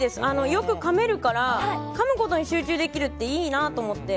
よくかめるからかむことに集中できるっていいなと思って。